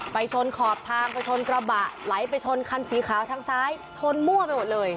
ชนขอบทางไปชนกระบะไหลไปชนคันสีขาวทางซ้ายชนมั่วไปหมดเลย